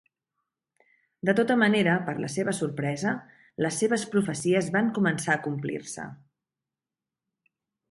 De tota manera per la seva sorpresa, les seves profecies van començar a complir-se.